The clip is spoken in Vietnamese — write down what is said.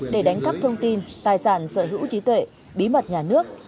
để đánh cắp thông tin tài sản sở hữu trí tuệ bí mật nhà nước